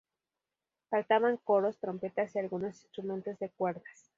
Faltaban coros, trompetas y algunos instrumentos de cuerdas.